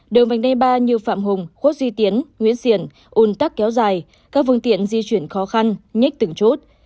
đường vành đai ba như phạm hùng khuất duy tiến nguyễn xiển un tắc kéo dài các phương tiện di chuyển khó khăn nhích từng chốt